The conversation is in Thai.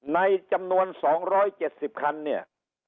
ในจำนวน๒๗๐คันเนี่ย